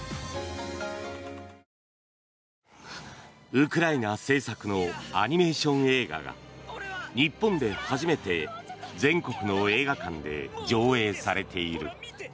ウクライナ制作のアニメーション映画が日本で初めて全国の映画館で上映されている。